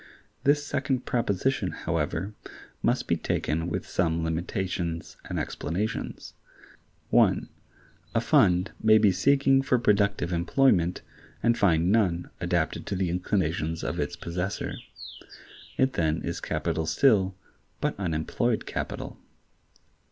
This second proposition, however, must be taken with some limitations and explanations. (1) A fund may be seeking for productive employment, and find none adapted to the inclinations of its possessor: it then is capital still, but unemployed capital.